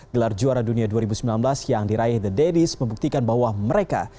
gelar juara dunia dua ribu sembilan belas yang diraih the daddies membuktikan bahwa mereka